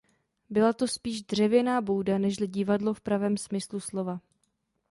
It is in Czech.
Byla to spíš dřevěná bouda nežli divadlo v pravém smyslu slova.